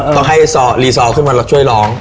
ต้องให้ลีซอขึ้นมาแล้วช่วยร้อง